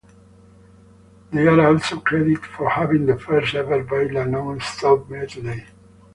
They are also credited for having the first ever baila non stop medley.